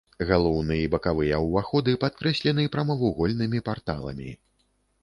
Галоўны і бакавыя ўваходы падкрэслены прамавугольнымі парталамі.